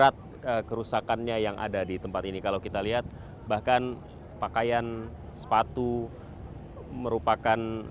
terima kasih pak